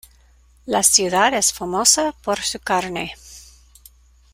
La ciudad es famosa por su carne.